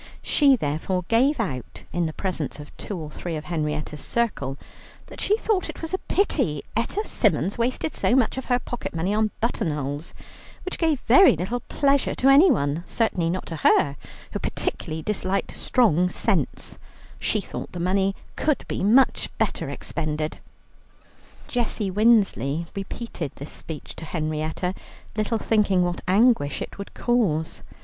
She therefore gave out in the presence of two or three of Henrietta's circle that she thought it was a pity Etta Symons wasted so much of her pocket money on buttonholes which gave very little pleasure to anyone, certainly not to her, who particularly disliked strong scents; she thought the money could be much better expended. Jessie Winsley repeated this speech to Henrietta, little thinking what anguish it would cause.